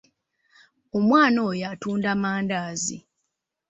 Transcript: Omwana oyo atunda mandaazi.